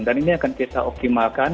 dan ini akan kita optimalkan